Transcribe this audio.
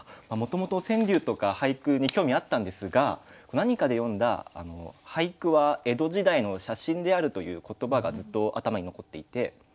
もともと川柳とか俳句に興味あったんですが何かで読んだ「俳句は江戸時代の写真である」という言葉がずっと頭に残っていて。